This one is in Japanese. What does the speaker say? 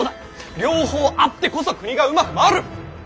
両方あってこそ国がうまく回る。